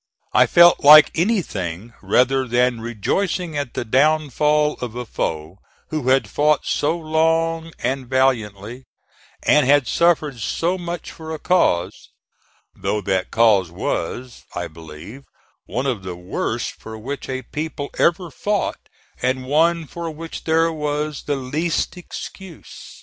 I felt like anything rather than rejoicing at the downfall of a foe who had fought so long and valiantly, and had suffered so much for a cause, though that cause was, I believe, one of the worst for which a people ever fought, and one for which there was the least excuse.